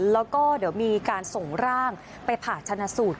แล้วก็เดี๋ยวมีการส่งร่างไปผ่าชนะสูตร